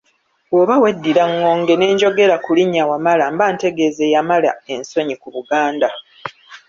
Bw’oba weddira ŋŋonge ne njogera ku linnya Wamala mbantegeeza eyamala ensonyi ku Buganda.